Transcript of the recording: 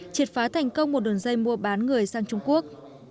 triệt phá thành công một đường dây mua bán người sang trung quốc